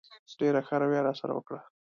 ډېره ښه رویه یې راسره وکړه.